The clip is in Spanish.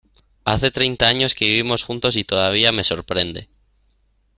Hace treinta años que vivimos juntos y todavía me sorprende.